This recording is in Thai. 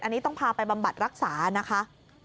อันนี้ต้องพาไปบำบัดรักษานะคะ